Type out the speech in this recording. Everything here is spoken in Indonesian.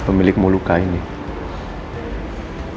si pemilik moluka ini dia punya kekuatan yang lebih besar dari moluka ini